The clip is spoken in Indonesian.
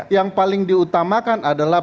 yang paling diutamakan adalah